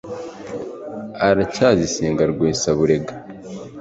aracyazisenga rwesa-burega